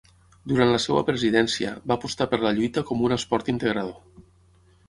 Durant la seva presidència, va apostar per la lluita com un esport integrador.